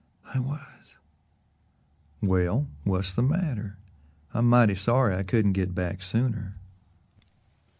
"I was." "Well, what's the matter? I'm mighty sorry I couldn't get back sooner."